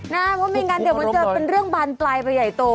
นะเพราะมีการเจอมเป็นเรื่องบานไกลไปใหญ่โต